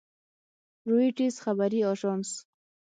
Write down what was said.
رویټرز خبري اژانس